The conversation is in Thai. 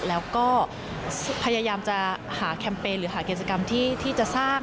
แล้วก็พยายามจะหาแคมเปญหรือหากิจกรรมที่จะสร้าง